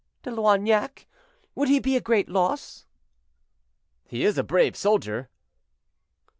"De Loignac! would he be a great loss?" "He is a brave soldier."